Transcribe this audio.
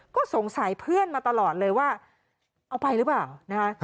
ก็สงสัยเพื่อนมาตลอดเลยว่าเอาไปหรือเปล่านะคะ